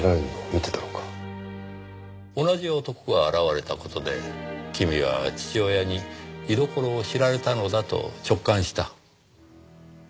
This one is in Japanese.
同じ男が現れた事で君は父親に居所を知られたのだと直感した。